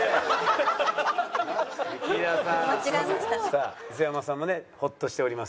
さあ磯山さんもねホッとしております。